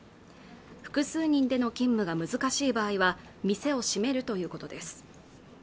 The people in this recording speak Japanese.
複数人での勤務が難しい場合は店を閉めるということです